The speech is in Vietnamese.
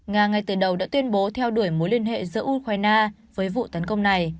nga ngay từ đầu đã tuyên bố theo đuổi mối liên hệ giữa ukraine với vụ tấn công này